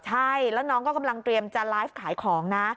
ใช่แล้วน้องก็กำลังเตรียมจะไลฟ์ขายของนะ